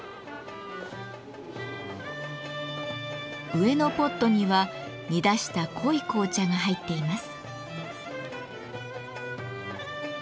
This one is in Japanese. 上のポットには煮出した濃い紅茶が入っています。